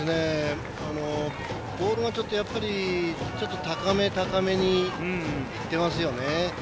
ボールが、ちょっと高め高めにいってますよね。